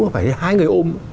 phải hai người ôm